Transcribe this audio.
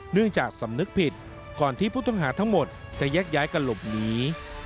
เนื่องจากสำนึกผิดก่อนที่ผู้ต้องหาทั้งหมดจะแยกย้ายกันหลบหนี